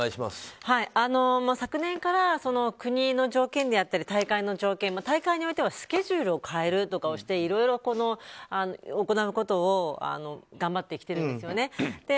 昨年から国の条件であったり大会の条件大会においてはスケジュールを変えるとかをしていろいろ行うことを頑張ってきているんですよね。